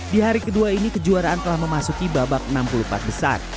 di hari kedua ini kejuaraan telah memasuki babak enam puluh empat besar